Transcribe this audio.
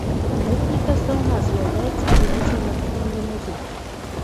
Этніка здаўна з'яўляецца крыніцай натхнення музыкі.